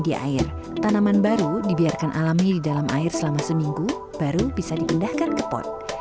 di air tanaman baru dibiarkan alami di dalam air selama seminggu baru bisa dipindahkan ke pot